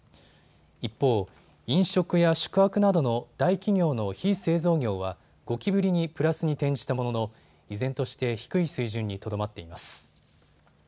一方、飲食や宿泊などの大企業の非製造業は５期ぶりにプラスに転じたものの依然として低い水準にとどまっています。